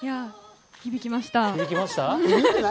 響きました。